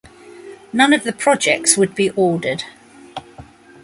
None of the projects would be ordered.